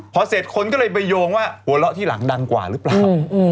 พอเสร็จคนก็เลยไปโยงว่าหัวเราะที่หลังดังกว่าหรือเปล่า